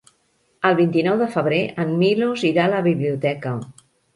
El vint-i-nou de febrer en Milos irà a la biblioteca.